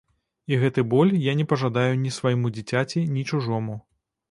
І гэты боль я не пажадаю ні свайму дзіцяці ні чужому.